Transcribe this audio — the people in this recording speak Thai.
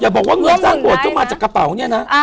บอกว่าเงินสร้างโบสก็มาจากกระเป๋าเนี่ยนะ